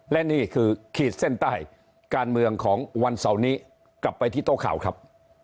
และนี่คือขีดเส้นใต้การเมืองของวันเสาร์นี้กลับไปที่โต๊ะข่าวครับ